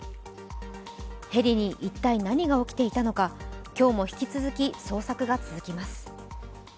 ヘリに一体何が起きていたのか、今日も引き続き、捜索が続きます。